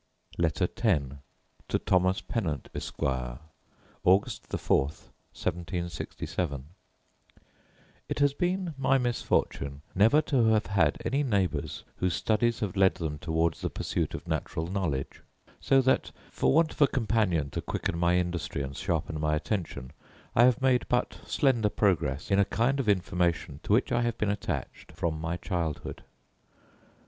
Letter X To Thomas Pennant, Esquire August 4, 1767. It has been my misfortune never to have had any neighbours whose studies have led them towards the pursuit of natural knowledge; so that, for want of a companion to quicken my industry and sharpen my attention, I have made but slender progress in a kind of information to which I have been attached from my childhood.